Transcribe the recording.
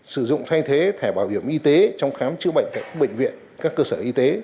sử dụng thay thế thẻ bảo hiểm y tế trong khám chữa bệnh tại các bệnh viện các cơ sở y tế